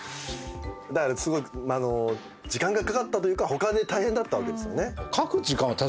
だからすごい時間がかかったというか他で大変だったわけですよね。